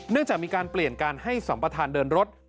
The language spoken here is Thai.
เนื่องจากมีการเปลี่ยนการให้สัมปทานเดินรถ